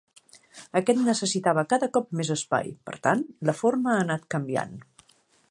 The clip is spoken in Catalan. Aquest necessitava cada cop més espai, per tant, la forma ha anat canviant.